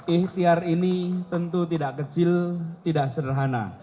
ikhtiar ini tentu tidak kecil tidak sederhana